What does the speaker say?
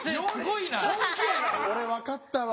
俺分かったわ。